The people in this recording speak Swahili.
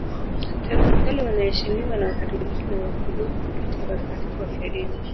Tangu kale wanaheshimiwa na Wakatoliki na Waorthodoksi kati ya watakatifu wafiadini.